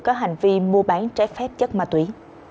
có hành vi mua bán trái phép chất ma túy